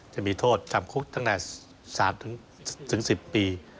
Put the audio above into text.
จะมีโทษจำคุกตั้งแต่๓๑๐ปี